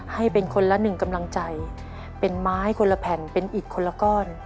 ให้เป็นคนละหนึ่งกำลังใจเป็นไม้คนละแผ่นเป็นอีกคนละก้อน